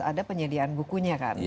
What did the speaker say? ada penyediaan bukunya kan